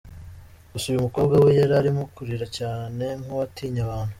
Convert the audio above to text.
Gusa uyu mukobwa we yari arimo kurira cyane nk’uwatinye abantu.